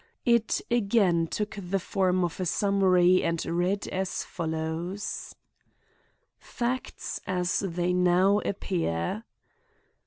It again took the form of a summary and read as follows: Facts as they now appear: 1.